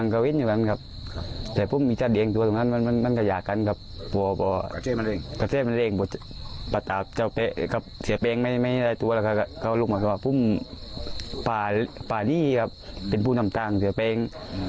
ก็ลุกมาพูดว่าป่านี่ครับเป็นผู้นำต่างเสียแป้ง